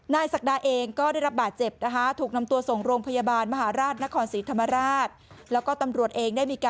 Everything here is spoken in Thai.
นายศักดาเองก็ได้รับบาดเจ็บนะคะถูกนำตัวส่งโรงพยาบาลมหาราชน